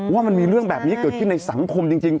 ว่ามันมีเรื่องแบบนี้เกิดขึ้นในสังคมจริง